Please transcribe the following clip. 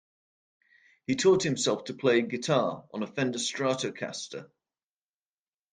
He taught himself to play guitar on a Fender Stratocaster.